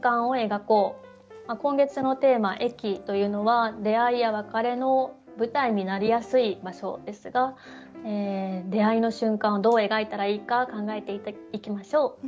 今月のテーマ「駅」というのは出会いや別れの舞台になりやすい場所ですが出会いの瞬間をどう描いたらいいか考えていきましょう。